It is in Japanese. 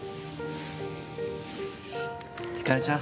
ひかりちゃん